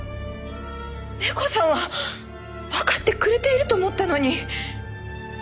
ネコさんはわかってくれていると思ったのに。